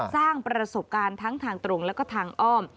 สร้างประสบการณ์ทั้งทางตรงแล้วก็ทางอ้อม